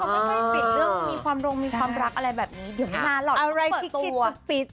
เรื่องมีความรงค์มีความรักอะไรแบบนี้เดี๋ยวมาหรอกอะไรที่คิดจะปิด